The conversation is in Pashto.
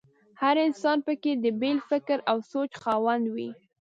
هر انسان په کې د بېل فکر او سوچ خاوند وي.